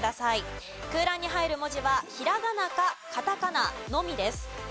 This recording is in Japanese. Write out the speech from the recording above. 空欄に入る文字はひらがなかカタカナのみです。